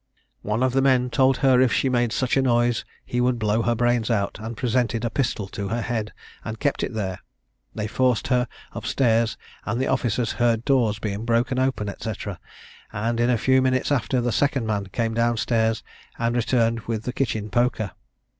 One of the men told her if she made such a noise he would blow her brains out, and presented a pistol to her head, and kept it there. They forced her up stairs, and the officers heard doors being broken open, &c., and, in a few minutes after, the second man came down stairs, and returned with the kitchen poker.